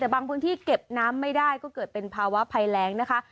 แต่บางพื้นที่เก็บน้ำไม่ได้ก็เกิดเป็นภาวะภัยแรงนะคะ